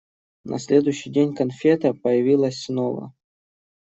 На следующий день конфета появилась снова.